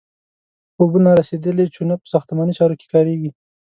اوبه نارسیدلې چونه په ساختماني چارو کې کاریږي.